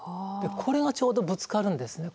これがちょうどぶつかるんですね。